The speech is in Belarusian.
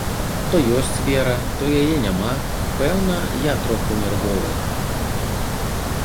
То ёсць вера, то яе няма, пэўна я троху нервовы.